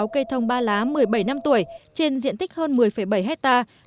bốn bốn trăm năm mươi sáu cây thông ba lá một mươi bảy năm tuổi trên diện tích hơn một mươi bảy hectare